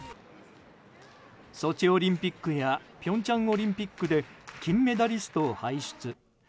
ソチオリンピックや平昌オリンピックで金メダリストを輩出。